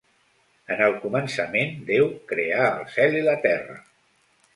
En el començament Déu creà el cel i la terra.